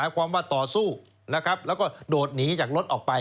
ความว่าต่อสู้นะครับแล้วก็โดดหนีจากรถออกไป